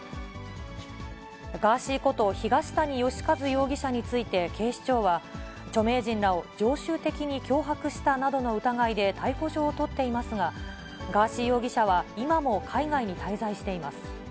ガーシーこと東谷義和容疑者について警視庁は、著名人らを常習的に脅迫したなどの疑いで、逮捕状を取っていますが、ガーシー容疑者は今も海外に滞在しています。